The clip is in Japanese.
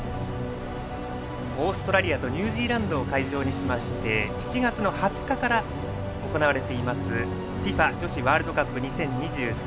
オーストラリアとニュージーランドを会場にして７月２０日から行われていますＦＩＦＡ女子ワールドカップ２０２３。